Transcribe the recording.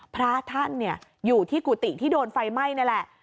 พระท่านอยู่ที่กุฏิที่โดนไฟไหม้นี่แหละ